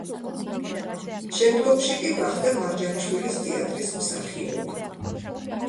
შემდგომში კი გახდა მარჯანიშვილის თეატრის მსახიობი.